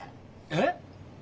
えっ？